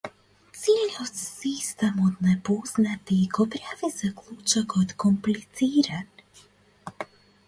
Целиот систем од непознати го прави заклучокот комплициран.